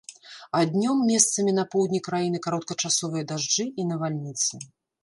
А днём месцамі на поўдні краіны кароткачасовыя дажджы і навальніцы.